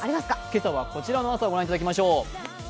今朝はこちらの朝をご覧いただきましょう。